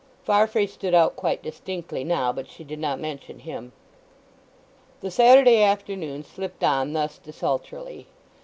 Farfrae stood out quite distinctly now; but she did not mention him. The Saturday afternoon slipped on thus desultorily.